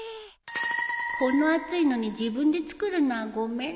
この暑いのに自分で作るのはごめんだよ